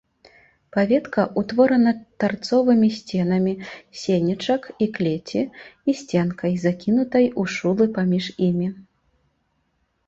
Паветка ўтворана тарцовымі сценамі сенечак і клеці і сценкай, закінутай у шулы паміж імі.